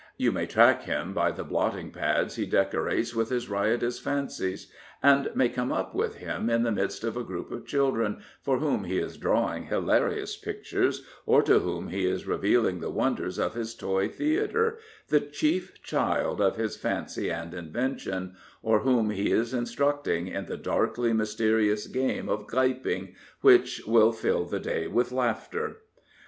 You may track him by the blotting pads he decorates with his riotous fancies, and may come up with him dn^the midst of a group of children, for whom he is lifawing hiljirious pictures, or to whom he is revealing the wonders of his toy theatre, the chief child of his fancy and invention, or whom he is instructing in the darkly mysterious game of " Guyping," which will fill the day with laughter.